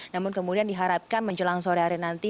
namun kemudian diharapkan menjelang sore hari nanti